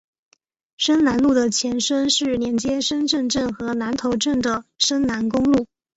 深南路的前身是连接深圳镇和南头镇的深南公路。